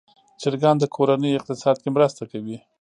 چرګان د کورنۍ اقتصاد کې مرسته کوي.